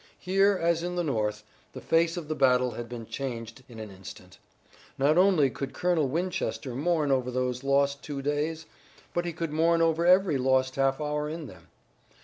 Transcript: Here, as in the north, the face of the battle had been changed in an instant. Not only could Colonel Winchester mourn over those lost two days, but he could mourn over every lost half hour in them.